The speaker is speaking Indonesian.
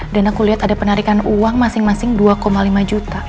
dan aku liat ada penarikan uang masing masing dua koma lima juta